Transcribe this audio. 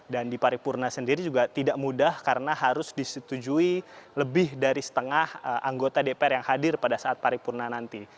dan di parikpurna sendiri juga tidak mudah karena harus disetujui lebih dari setengah anggota dpr yang hadir pada saat parikpurna nanti